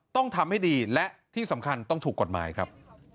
ต้องทำให้ดีและที่สำคัญต้องถูกกฎหมายครับ